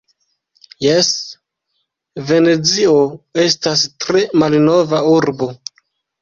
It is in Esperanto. Jes, Venezio estas tre malnova urbo.